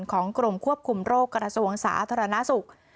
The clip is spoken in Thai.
ของกรมควบคุมโรคกระทรวงศาสตร์ธรรมนาศุกร์